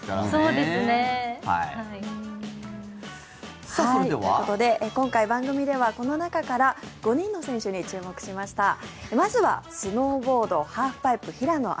それでは。ということで今回、番組ではこの中から５人の選手に注目しました。